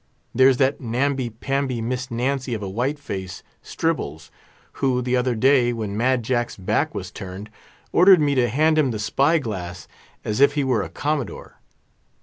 There's that namby pamby Miss Nancy of a white face, Stribbles, who, the other day, when Mad Jack's back was turned, ordered me to hand him the spy glass, as if he were a Commodore.